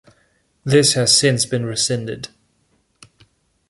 This has since been rescinded.